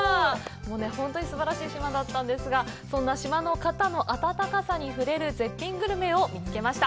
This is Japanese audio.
本当にすばらしい島だったんですが、そんな島の方の暖かさに触れる絶品グルメを見つけました。